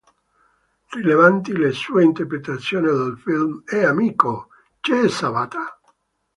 Rilevanti le sue interpretazioni nei film "Ehi amico... c'è Sabata.